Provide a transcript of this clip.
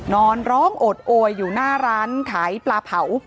นอนร้องโอดโอยอยู่หน้าร้านขายปลาเผา